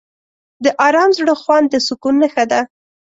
د آرام زړه خوند د سکون نښه ده.